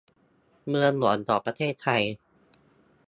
เมืองหลวงของประเทศไทย